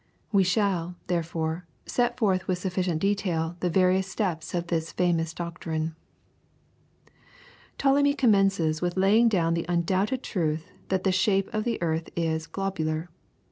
We shall, therefore, set forth with sufficient detail the various steps of this famous doctrine. Ptolemy commences with laying down the undoubted truth that the shape of the earth is globular.